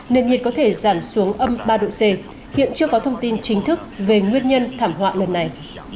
nền nhiệt có thể giảm xuống âm ba độ c hiện chưa có thông tin chính thức về nguyên nhân thảm họa lần này